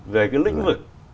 về cái lĩnh vực